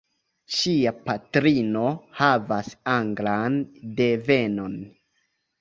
Ŝia patrino havas anglan devenon.